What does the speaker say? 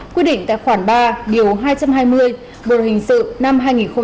quy định tại khoản ba điều hai trăm hai mươi bộ luật hình sự năm hai nghìn một mươi năm